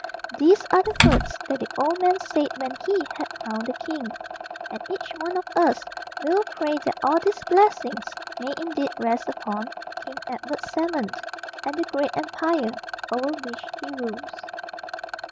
These are the words that the old man said when he had crowned the king, and each one of us will pray that all these blessings may indeed rest upon King Edward VII, and the great Empire over which he rules.